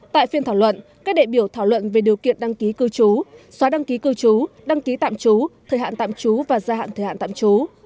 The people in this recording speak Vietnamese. tại phiên thảo luận các đại biểu thảo luận về điều kiện đăng ký cư trú xóa đăng ký cư trú đăng ký tạm trú thời hạn tạm trú và gia hạn thời hạn tạm trú